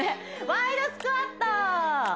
ワイドスクワット